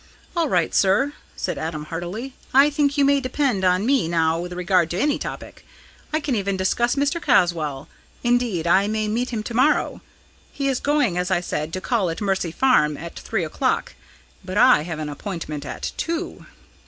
"All right, sir," said Adam heartily. "I think you may depend on me now with regard to any topic. I can even discuss Mr. Caswall. Indeed, I may meet him to morrow. He is going, as I said, to call at Mercy Farm at three o'clock but I have an appointment at two."